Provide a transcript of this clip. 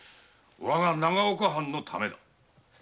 わが長岡藩のためだ。